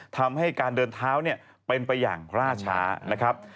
ทำให้การเดินเท้าเป็นไปอย่างล่าช้านะครับ